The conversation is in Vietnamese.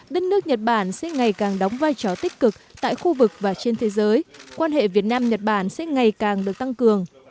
đất nước nhật bản sẽ ngày càng đóng vai trò tích cực tại khu vực và trên thế giới quan hệ việt nam nhật bản sẽ ngày càng được tăng cường